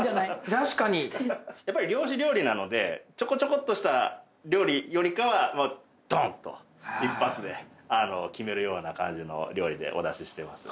確かにやっぱり漁師料理なのでちょこちょこっとした料理よりかはドンと一発で決めるような感じの料理でお出ししてます